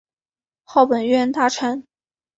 号本院大臣。